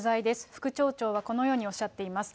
副町長はこのようにおっしゃっています。